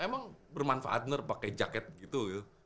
emang bermanfaat bener pakai jaket gitu